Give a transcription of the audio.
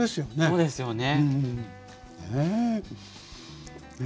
そうですね。